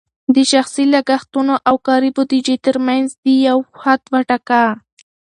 د شخصي لګښتونو او کاري بودیجې ترمنځ دې یو حد وټاکه.